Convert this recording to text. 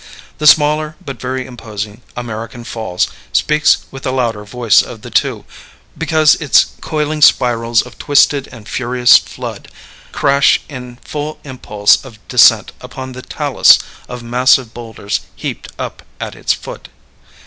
The smaller but very imposing American Falls speaks with the louder voice of the two, because its coiling spirals of twisted and furious flood crash in full impulse of descent upon the talus of massive boulders heaped up at its foot.